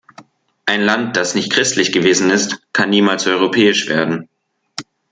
Ein Land, das nicht christlich gewesen ist, kann niemals europäisch werden.